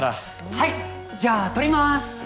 はいじゃあ撮ります。